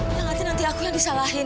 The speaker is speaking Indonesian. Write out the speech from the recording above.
ya nanti aku yang disalahin